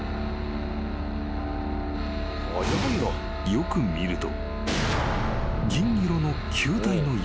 ［よく見ると］